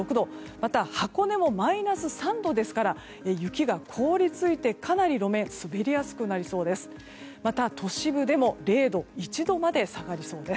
また箱根もマイナス３度ですから雪が凍り付いてかなり路面滑りやすくなりそうです。